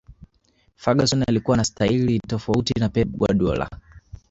ferguson alikuwa na staili tofauti na Pe Guardiola